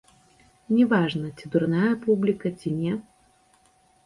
Не важна, ці дурная публіка, ці не.